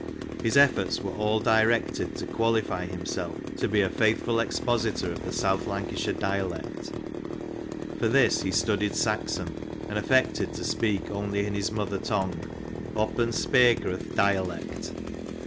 His efforts were all directed to qualify himself to be a faithful expositor of the South Lancashire dialect ; for this he studied Saxon, and affected to speak only in his mother tongue —'* opp'n speyker o'*th' dialect.